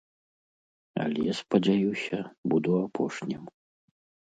Але, спадзяюся, буду апошнім.